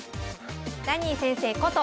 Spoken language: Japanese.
ダニー先生こと